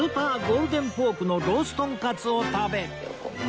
ゴールデンポークのロースとんかつを食べ